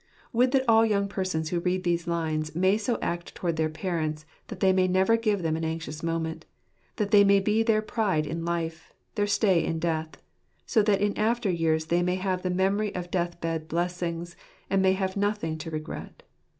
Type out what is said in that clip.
Would that all young persons who read these lines may so act towards their parents that they may never give them an anxious moment : that they may be their pride in life ; their stay in death : so that in after years they may have the memory of death bed blessings, and may have nothing to regret